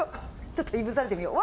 ちょっといぶされてみよう。